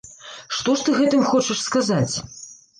Што ж ты гэтым хочаш сказаць?